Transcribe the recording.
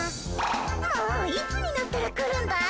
もういつになったら来るんだい？